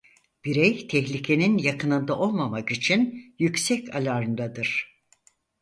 Birey tehlikenin yakınında olmamak için yüksek alarmdadır.